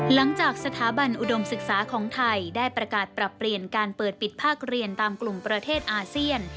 หลังจากสถาบันอุดมศึกษาของไทยได้ประกาศปรับเปลี่ยนการเปิดปิดภาคเรียนตามกลุ่มประเทศอาเซียน